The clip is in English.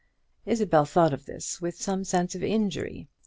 Isabel thought of this with some sense of injury.